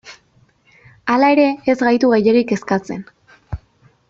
Hala ere, ez gaitu gehiegi kezkatzen.